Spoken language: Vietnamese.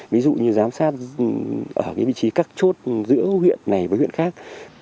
ví dụ như giám sát ở cái vị trí các chốt giữa huyện này với huyện khác